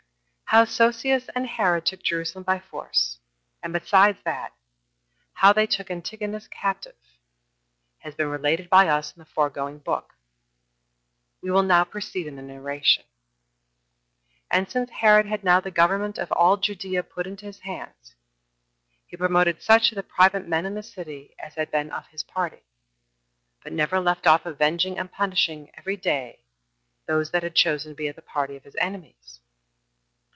1. How Sosius and Herod took Jerusalem by force; and besides that, how they took Antigonus captive, has been related by us in the foregoing book. We will now proceed in the narration. And since Herod had now the government of all Judea put into his hands, he promoted such of the private men in the city as had been of his party, but never left off avenging and punishing every day those that had chosen to be of the party of his enemies.